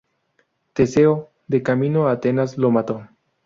Teseo, de camino a Atenas, lo mató.